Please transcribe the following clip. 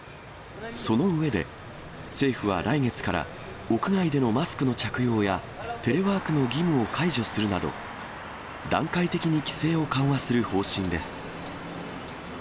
その上で、政府は来月から、屋外でのマスクの着用や、テレワークの義務を解除するなど、段階的に規制を緩和する方針です。